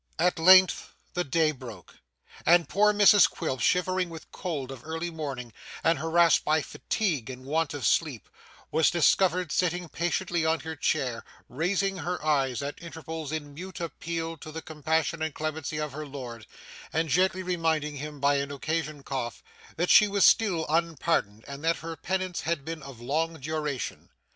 At length the day broke, and poor Mrs Quilp, shivering with cold of early morning and harassed by fatigue and want of sleep, was discovered sitting patiently on her chair, raising her eyes at intervals in mute appeal to the compassion and clemency of her lord, and gently reminding him by an occasion cough that she was still unpardoned and that her penance had been of long duration.